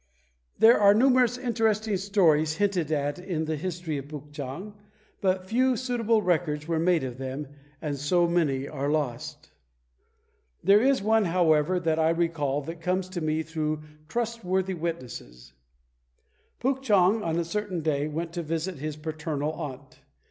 There are numerous interesting stories hinted at in the history of Puk chang, but few suitable records were made of them, and so many are lost. There is one, however, that I recall that comes to me through trustworthy witnesses: Puk chang, on a certain day, went to visit his paternal aunt.